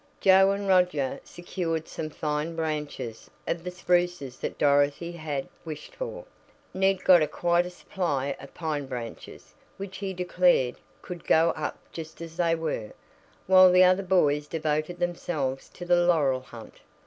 Joe and Roger secured some fine branches of the spruces that Dorothy had wished for, Ned got quite a supply of pine branches, which he declared, "could go up just as they were," while the other boys devoted themselves to the laurel hunt.